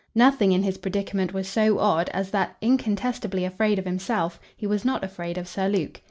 Nothing in his predicament was so odd as that, incontestably afraid of himself, he was not afraid of Sir Luke.